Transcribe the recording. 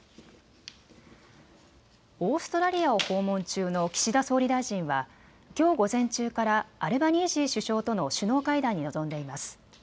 オーストラリアを訪問中の岸田総理大臣はきょう午前中からアルバニージー首相との首脳会談に臨んでいます。